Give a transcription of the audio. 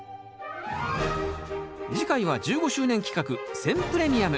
次回は１５周年企画選プレミアム。